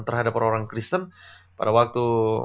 terhadap orang orang kristen pada waktu